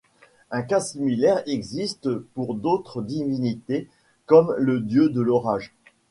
Un cas similaire existe pour d'autres divinités, comme le dieu de l'Orage.